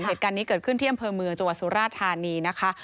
เหตุการณ์นี้เกิดขึ้นที่อำเภอเมืองจังหวัดสุราธานีนะคะ